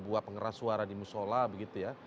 buah pengeras suara di musola begitu ya